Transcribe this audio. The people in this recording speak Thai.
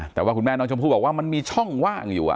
แต่ว่าคุณแม่น้องชมพู่บอกว่ามันมีช่องว่างอยู่